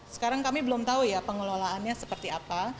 sekarang kami belum tahu ya pengelolaannya seperti apa